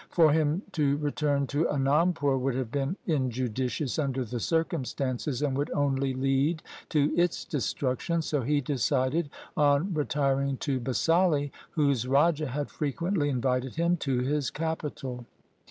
For him to return to Anandpur would have been in judicious under the circumstances, and would only lead to its destruction, so he decided on retiring to Basali whose raja had frequently invited him to his capital.